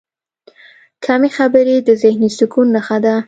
کمې خبرې، د ذهني سکون نښه ده.